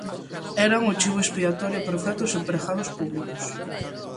Eran o chibo expiatorio perfecto os empregados públicos.